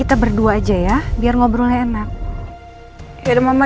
kita kayaknya gak velocidad banyak cuma